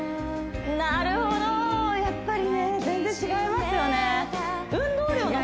なるほどやっぱりね全然違いますよね